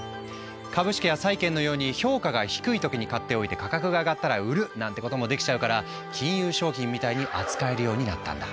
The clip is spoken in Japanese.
株式や債券のように「評価が低い時に買っておいて価格が上がったら売る」なんてこともできちゃうから金融商品みたいに扱えるようになったんだ。